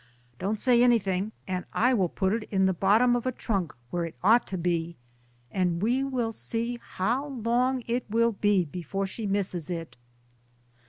Don't say anything, and I DAYS ON THE ROAD. g will put it in the bottom of a trunk, where it ought to be, and we will see how long it will be before she misses it."